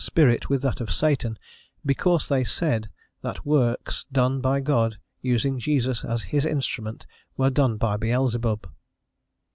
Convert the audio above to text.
Spirit with that of Satan, "because they said" that works; done by God, using Jesus as His instrument, were done by Beelzebub.